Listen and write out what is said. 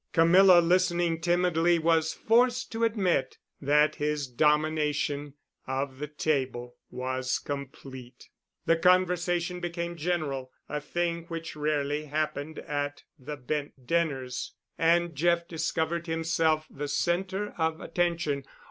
Camilla, listening timidly, was forced to admit that his domination of the table was complete. The conversation became general, a thing which rarely happened at the Bent dinners, and Jeff discovered himself the centre of attention.